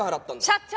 社長！